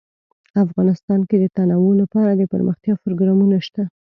افغانستان کې د تنوع لپاره دپرمختیا پروګرامونه شته.